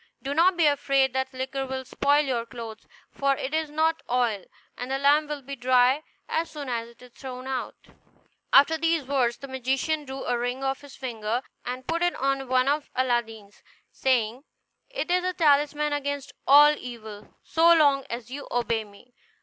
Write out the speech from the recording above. Do not be afraid that the liquor will spoil your clothes, for it is not oil, and the lamp will be dry as soon as it is thrown out." After these words the magician drew a ring off his finger, and put it on one of Aladdin's, saying: "It is a talisman against all evil, so long as you obey me.